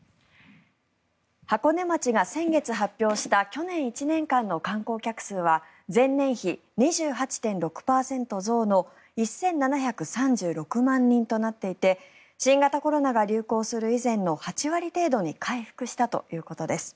箱根町が先月発表した去年１年間の観光客数は前年比２８．６％増の１７３６万人となっていて新型コロナが流行する以前の８割程度に回復したということです。